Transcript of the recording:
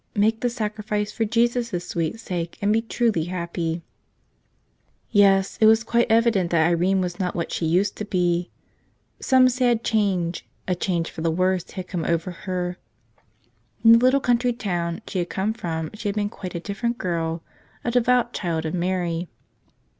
Make the sacrifice for Jesus' sweet sake and be truly happy !'' Yes; it was quite evident that Irene was not what she used to be. Some sad change — a change for the worse — had come over her. In the little country town she had come from she had been quite a different girl —a devout child of Mary.